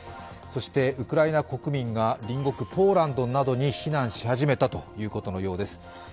そしてウクライナ国民が隣国ポーランドなどに避難し始めたということのようです。